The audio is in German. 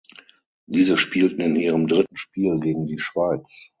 Diese spielten in ihrem dritten Spiel gegen die Schweiz.